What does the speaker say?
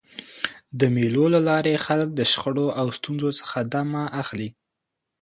د مېلو له لاري خلک له شخړو او ستونزو څخه دمه اخلي.